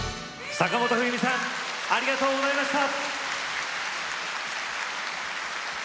坂本冬美さんありがとうございました。